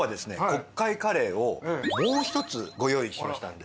国会カレーをもう一つご用意しましたので。